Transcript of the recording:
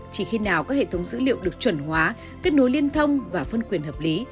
chỉ khi nào các hệ thống dữ liệu được chuẩn hóa kết nối liên thông và phân quyền hợp lý